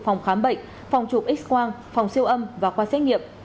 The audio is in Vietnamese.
phòng khám bệnh phòng chụp x quang phòng siêu âm và khoa xét nghiệm